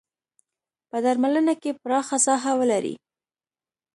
په درملنه کې پراخه ساحه ولري.